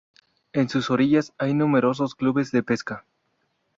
En sus orillas hay numerosos clubes de pesca.